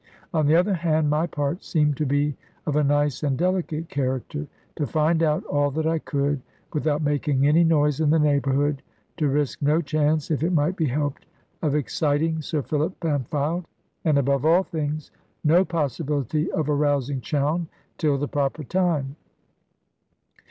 On the other hand, my part seemed to be of a nice and delicate character to find out all that I could without making any noise in the neighbourhood, to risk no chance, if it might be helped, of exciting Sir Philip Bampfylde, and, above all things, no possibility of arousing Chowne, till the proper time.